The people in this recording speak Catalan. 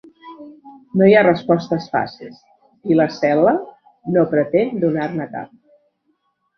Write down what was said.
No hi ha respostes fàcils i "La cel·la" no pretén donar-ne cap.